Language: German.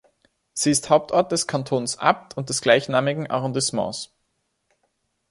Sie ist Hauptort des Kantons Apt und des gleichnamigen Arrondissements.